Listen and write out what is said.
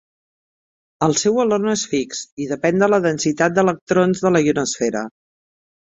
El seu valor no és fix i depèn de la densitat d'electrons de la ionosfera.